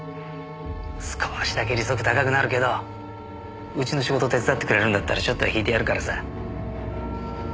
少しだけ利息高くなるけどうちの仕事手伝ってくれるんだったらちょっとは引いてやるからさ。